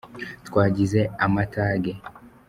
twagize amatage.